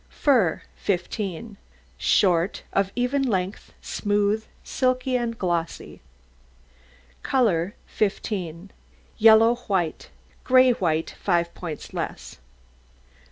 FUR 15 Short, of even length, smooth, silky, and glossy. COLOUR 15 Yellow white; gray white, five points less.